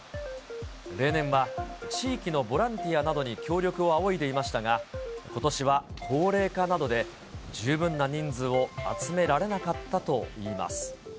例年は地域のボランティアなどに協力を仰いでいましたが、ことしは高齢化などで、十分な人数を集められなかったといいます。